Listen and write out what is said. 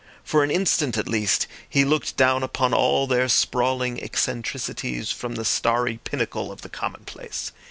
For an instant, at least, he looked down upon all their sprawling eccentricities from the starry pinnacle of the commonplace.